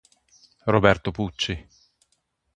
Roberto Pucci